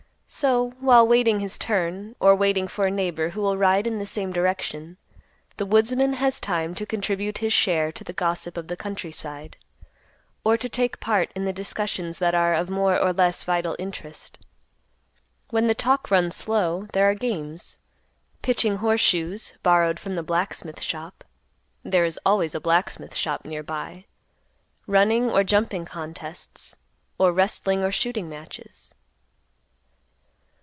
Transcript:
So, while waiting his turn, or waiting for a neighbor who will ride in the same direction, the woodsman has time to contribute his share to the gossip of the country side, or to take part in the discussions that are of more or less vital interest. When the talk runs slow, there are games; pitching horse shoes, borrowed from the blacksmith shop—there is always a blacksmith shop near by; running or jumping contests, or wrestling or shooting matches.